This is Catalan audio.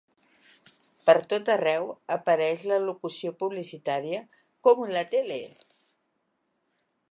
Per tot arreu apareix la locució publicitària "como en la tele".